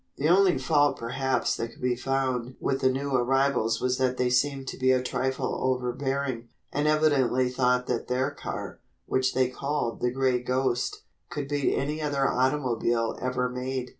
The only fault perhaps that could be found with the new arrivals was that they seemed to be a trifle overbearing, and evidently thought that their car, which they called the "Gray Ghost," could beat any other automobile ever made.